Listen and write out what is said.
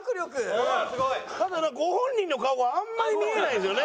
あとなんかご本人の顔はあんまり見えないんですよね。